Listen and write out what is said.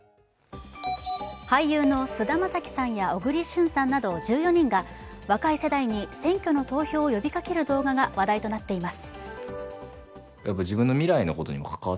俳優の菅田将暉さんや小栗旬さんなど１４人が若い世代に選挙の投票を呼びかける動画が話題となっています。